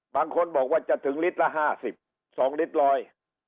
บางคนบอกว่าจะถึงลิตรละห้าสิบสองลิตรรอย